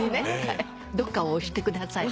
どっかを押してください。